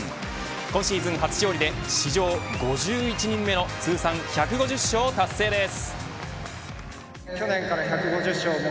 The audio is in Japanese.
今シーズン初勝利で史上５１人目の通算１５０勝達成です。